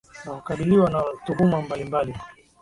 na kukabiliwa na tuhuma mbalimbali